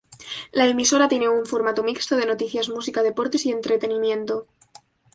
La emisora tiene un formato mixto de noticias música deportes y entretenimiento.